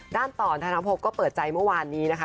ต่อนธนภพก็เปิดใจเมื่อวานนี้นะคะ